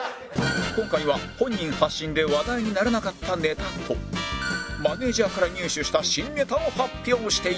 今回は本人発信で話題にならなかったネタとマネージャーから入手した新ネタを発表してゆく